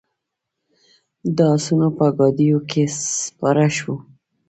د آسونو په ګاډیو کې سپاره شوو.